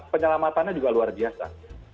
penyelamatannya juga luar biasa